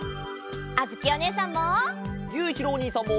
あづきおねえさんも！